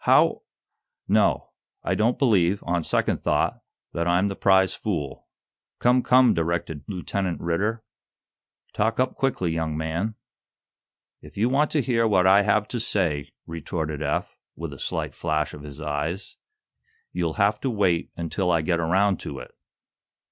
"How " "No; I don't believe, on second thought, that I'm the prize fool." "Come, come," directed Lieutenant Ridder. "Talk up quickly, young man." "If you want to hear what I have to say," retorted Eph, with a slight flash of his eyes, "you'll have to wait until I get around to it."